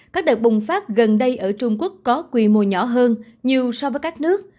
các đợt bùng phát gần đây ở trung quốc có quy mô nhỏ hơn nhiều so với các nước